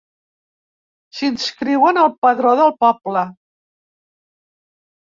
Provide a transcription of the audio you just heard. S'inscriuen al padró del poble.